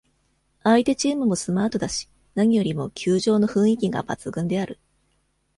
相手チームもスマートだし、何よりも、球場の雰囲気が抜群である。